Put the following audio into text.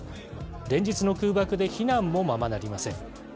連日の空爆で避難もままなりません。